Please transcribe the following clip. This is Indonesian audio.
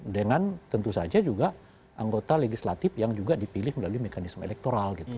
dengan tentu saja juga anggota legislatif yang juga dipilih melalui mekanisme elektoral gitu